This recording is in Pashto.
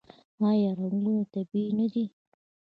آیا رنګونه یې طبیعي نه دي؟